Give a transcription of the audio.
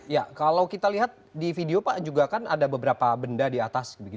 ya kalau kita lihat di video pak juga kan ada beberapa benda di atas